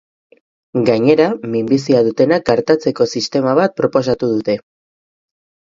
Gainera, minbizia dutenak artatzeko sistema bat proposatu dute.